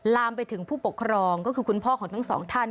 ลามไปถึงผู้ปกครองก็คือคุณพ่อของทั้งสองท่าน